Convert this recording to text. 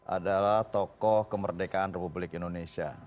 adalah tokoh kemerdekaan republik indonesia